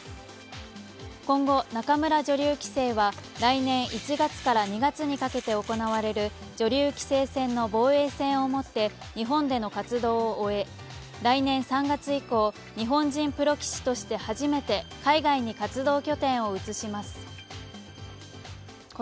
今後、仲邑女流棋聖は来年１月から２月にかけて行われる女流棋聖戦の防衛戦を持って日本での活動を終え来年３月以降、日本人プロ棋士として初めて海外に活動拠点を移します。